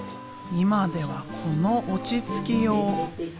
今ではこの落ち着きよう。